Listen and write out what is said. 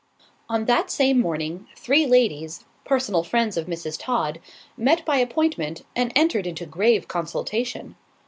On that same morning, three ladies, personal friends of Mrs. Todd, met by appointment, and entered into grave consultation.